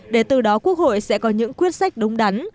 để từ đó quốc hội sẽ có những quyết sách đúng đắn